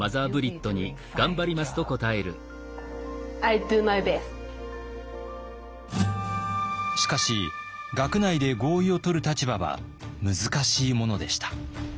Ｓａｄａｋｏ．しかし学内で合意をとる立場は難しいものでした。